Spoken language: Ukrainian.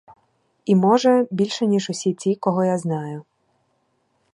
І, може, більше, ніж усі ті, кого я знаю.